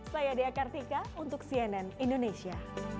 saya dea kartika untuk cnn indonesia